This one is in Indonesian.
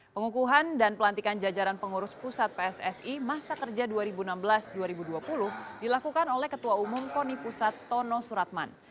pengukuhan dan pelantikan jajaran pengurus pusat pssi masa kerja dua ribu enam belas dua ribu dua puluh dilakukan oleh ketua umum koni pusat tono suratman